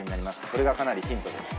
これがかなりヒントです。